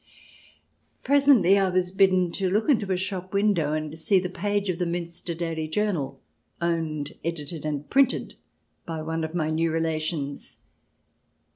Presently I was bidden to look into a shop window and see the page of the Miinsier Daily Journal^ owned, edited, and printed by one of my new relations.